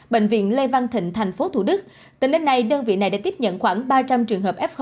bệnh viện lê văn thịnh tp thủ đức tỉnh đêm nay đơn vị này đã tiếp nhận khoảng ba trăm linh trường hợp f